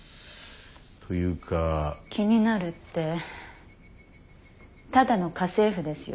気になるってただの家政婦ですよ？